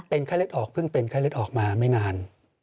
เป็นไข้เลือดออกเพิ่งเป็นไข้เลือดออกมาไม่นาน